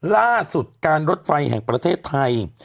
ล่าสุดการรถไฟแห่งประเทศไทย